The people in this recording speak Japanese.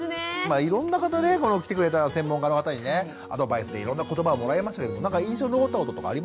いろんな方ねこの来てくれた専門家の方にねアドバイスでいろんなことばをもらいましたけど何か印象に残ったこととかありますか？